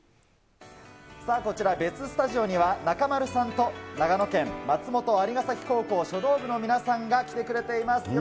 さあ、こちら、別スタジオには中丸さんと長野県松本蟻ヶ崎高校書道部の皆さんが来てくれています。